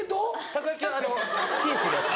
たこ焼きはチンするやつ。